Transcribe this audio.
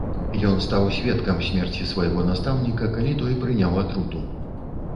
Ен стаў сведкам смерці свайго настаўніка, калі той прыняў атруту.